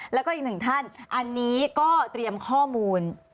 แล้วก็อีกหนึ่งท่านอันนี้ก็เตรียมข้อมูล